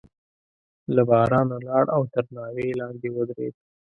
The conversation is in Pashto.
له بارانه لاړ او تر ناوې لاندې ودرېد.